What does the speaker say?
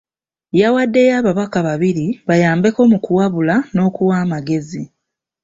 Yawaddeyo ababaka babiri bayambeko mu kuwabula n'okuwa amagezi.